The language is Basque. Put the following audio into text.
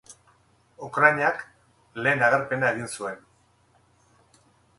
Ukrainak lehen agerpena egin zuen.